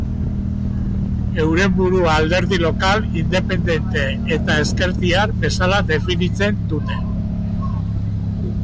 Euren burua alderdi lokal, independente eta ezkertiar bezala definitzen dute.